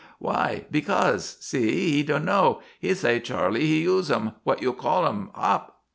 Why? Becaus'? See, he donno. He say Charley he usem, what you call 'em? Hop."